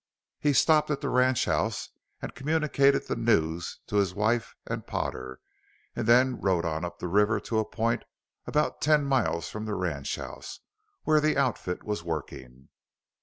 He stopped at the ranchhouse and communicated the news to his wife and Potter and then rode on up the river to a point about ten miles from the ranchhouse where the outfit was working.